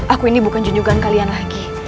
aku ini bukan judugan kalian lagi